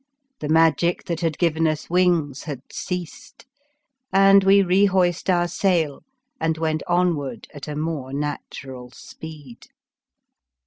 The magic that had given us wings had ceased, and we rehoist our sail and went onward at a more natural speed.